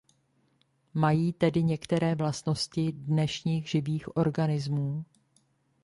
Mají tedy některé vlastnosti dnešních živých organismů.